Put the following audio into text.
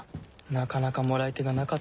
なかなかもらい手がなかったようじゃな。